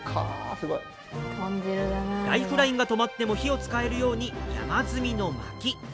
すごい！ライフラインが止まっても火を使えるように山積みの薪。